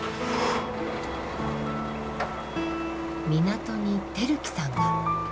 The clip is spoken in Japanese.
港に晃熙さんが。